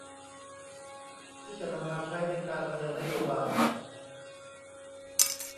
ที่จะนำมาใช้ในการดำเนินนโยบาย